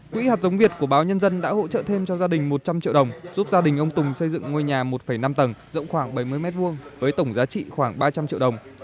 quỹ hạt giống việt của báo nhân dân đã hỗ trợ thêm cho gia đình một trăm linh triệu đồng giúp gia đình ông tùng xây dựng ngôi nhà một năm tầng rộng khoảng bảy mươi m hai với tổng giá trị khoảng ba trăm linh triệu đồng